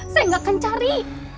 saya nggak akan cari